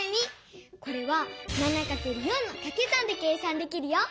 これは７×４のかけ算で計算できるよ！